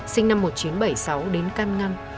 sinh năm một nghìn chín trăm bảy mươi sáu đến can ngăn